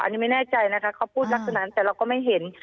อันนี้ไม่แน่ใจนะคะเขาพูดลักษณะแต่เราก็ไม่เห็น